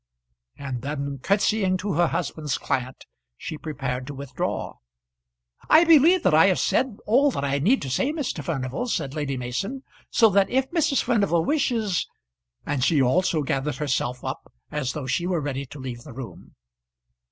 And then, curtsying to her husband's client, she prepared to withdraw. "I believe that I have said all that I need say, Mr. Furnival," said Lady Mason; "so that if Mrs. Furnival wishes ," and she also gathered herself up as though she were ready to leave the room.